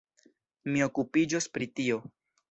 Mi okupiĝos pri tio.